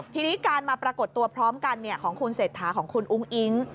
ทีนี้การมาปรากฏตัวพร้อมกันของคุณเศรษฐาของคุณอุ้งอิ๊ง